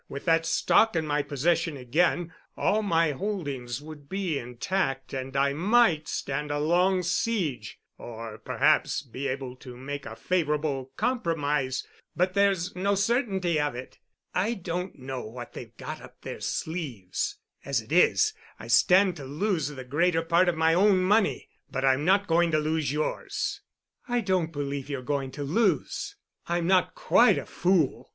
With that stock in my possession again, all my holdings would be intact and I might stand a long siege—or perhaps be able to make a favorable compromise—but there's no certainty of it. I don't know what they've got up their sleeves. As it is, I stand to lose the greater part of my own money, but I'm not going to lose yours." "I don't believe you're going to lose. I'm not quite a fool.